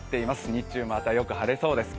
日中またよく晴れそうです。